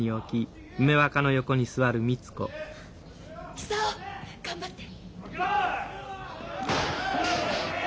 久男頑張って！